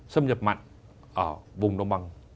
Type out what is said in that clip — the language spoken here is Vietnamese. xâm nhập mặn ở vùng đông bằng